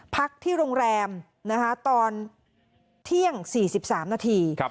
พักที่โรงแรมตอนเที่ยง๔๓นาที